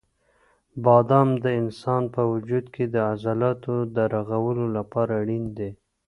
بادام د انسان په وجود کې د عضلاتو د رغولو لپاره اړین دي.